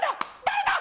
誰だ？